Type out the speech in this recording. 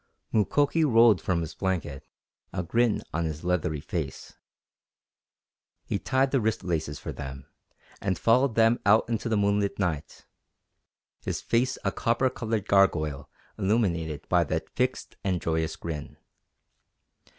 Mukoki rolled from his blanket, a grin on his leathery face. He tied the wrist laces for them, and followed them out into the moonlit night, his face a copper coloured gargoyle illuminated by that fixed and joyous grin.